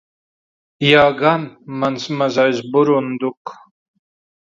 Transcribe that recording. Jā gan, mans mazais burunduk.